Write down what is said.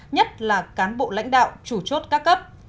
nhất là cán bộ lãnh đạo chủ chốt các cấp